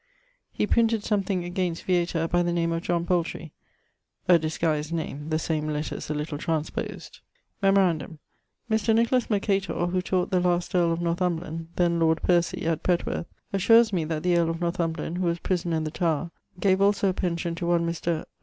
He printed something against Vieta by the name of John Poulterey (a disguised name, the same letters a little transpos'd). Memorandum: Mr. Nicholas Mercator (who taught the last earl of Northumberland, then lord Percy, at Petworth) assures me that the earle of Northumberland who was prisoner in the Tower gave also a pension to one Mr.